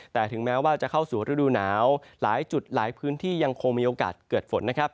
แต่ถึงแม้ว่าจะเข้าสู่ฤดูหนาวหลายจุดหลายพื้นที่ยังคงมีโอกาสเกิดฝนนะครับ